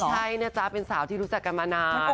ใช่นะจ๊ะเป็นสาวที่รู้จักกันมานาน